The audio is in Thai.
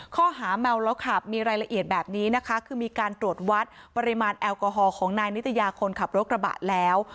ข้อหาเมาแล้วขับมีรายละเอียดแบบนี้นะคะคือมีการตรวจวัดปริมาณแอลกอฮอลของนายนิตยาคนขับรถกระบะแล้ว